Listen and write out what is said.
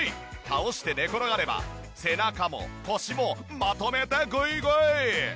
倒して寝転がれば背中も腰もまとめてグイグイ。